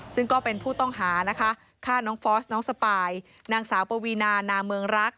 ซึ่งก็เป็นผู้ต้องหานะคะฆ่าน้องฟอสน้องสปายนางสาวปวีนานาเมืองรัก